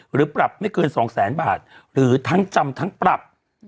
หรือปรับไม่เกิน๒แสนบาทหรือทั้งจำทั้งปรับ